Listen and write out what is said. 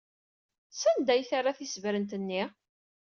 Sanda ay terra tisebrent-nni?